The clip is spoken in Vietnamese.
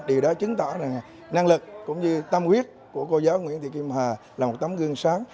điều đó chứng tỏ là năng lực cũng như tâm quyết của cô giáo nguyễn thị kim hà là một tấm gương sáng